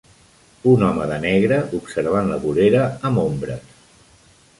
Un home de negre observant la vorera amb ombres.